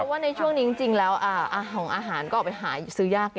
เพราะว่าในช่วงนี้จริงแล้วอ่าของอาหารก็ออกไปหาย้าซื้อยากเนี่ย